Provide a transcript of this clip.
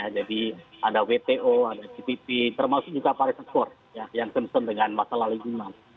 jadi ada wto ada cpp termasuk juga paris accord yang sen sen dengan masalah lingkungan